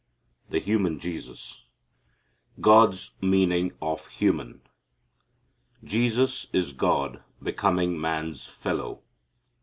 The Human Jesus God's Meaning of "Human." Jesus is God becoming man's fellow.